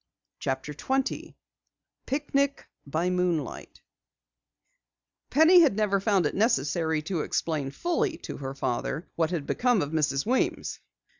CHAPTER 20 PICNIC BY MOONLIGHT Penny had never found it necessary to explain fully to her father what had become of Mrs. Weems.